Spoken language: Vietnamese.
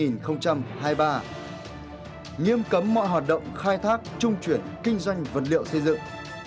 nghiêm cấm mọi hoạt động khai thác trung chuyển kinh doanh vật liệu xây dựng